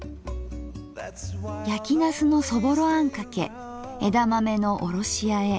やきなすのそぼろあんかけ枝豆のおろしあえ